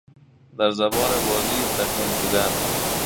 در زبان بازی تکمیل بودن